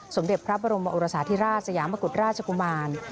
สมเด็จพระบรมโอรสาธิราชสยามกุฎราชกุมาร